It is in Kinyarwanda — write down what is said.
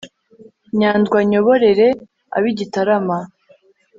nyandwi anyoborere ab' i gitarama